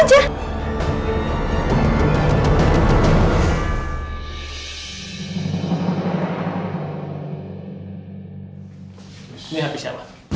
ini hp siapa